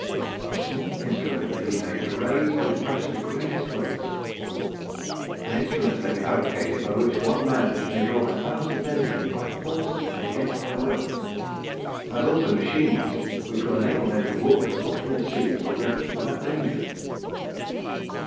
A small instrument may be made to raise or depress the greatest weights. An instrument may be fabricated by which one man may draw a thousand men to him by force and against their will; as also machines which will enable men to walk at the bottom of seas or rivers without danger."